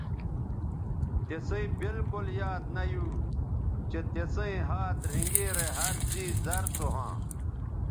تِسئ بالکل یاد نہ یو چہء تسئیں ھات رھینگیرے ھر څیز زر سو ھواں